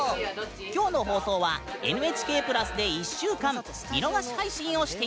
今日の放送はＮＨＫプラスで１週間見逃し配信をしているよ！